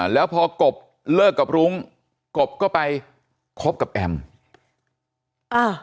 แล้วพอกบเลิกกับรุ้งกบก็ไปคบกับแอมอ่า